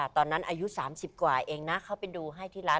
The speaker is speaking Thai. อายุ๓๐กว่าเองนะเขาไปดูให้ที่ร้าน